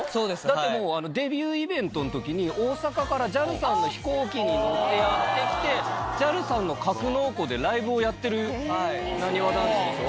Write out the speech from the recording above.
だってもうデビューイベントの時に大阪からＪＡＬさんの飛行機に乗ってやって来てＪＡＬさんの格納庫でライブをやってるなにわ男子でしょ？